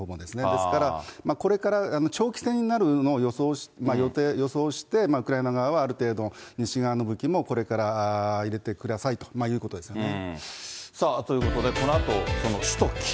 ですから、これから長期戦になるのを予想して、ウクライナ側はある程度、西側の武器も、これから入れてくださいということですね。